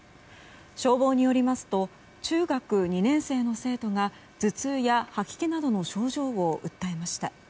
消防によりますと中学２年生の生徒が頭痛や吐き気などの症状を訴えました。